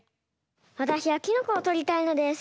わたしはキノコをとりたいのです。